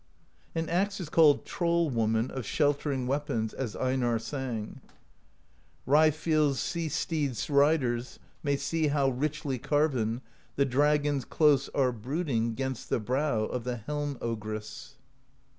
An axe is called Troll Woman of Sheltering Weapons, as Einarr sang: Raefill's Sea Steed's Riders May see how, richly carven. The dragons close are brooding 'Gainst the brow of the Helm Ogress.